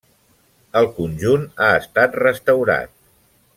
El conjunt ha estat restaurat.